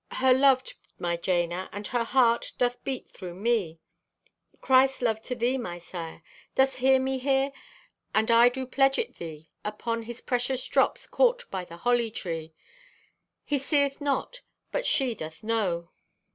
Her loved, my Jana, and her heart doth beat through me! "Christ love to thee, my sire! Dost hear me here? And I do pledge it thee upon His precious drops caught by the holly tree. He seeth not, but she doth know!"